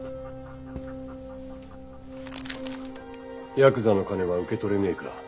ヤクザの金は受け取れねえか。